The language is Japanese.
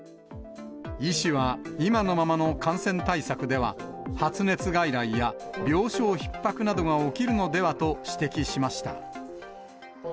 医師は、今のままの感染対策では、発熱外来や病床ひっ迫などが起きるのではと指摘しました。